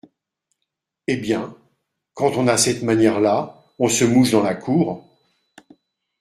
Eh bien, quand on a cette manière-là, on se mouche dans la cour.